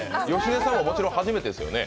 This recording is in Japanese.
芳根さんも、もちろん初めてですよね？